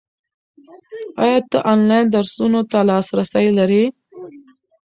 ایا ته آنلاین درسونو ته لاسرسی لرې؟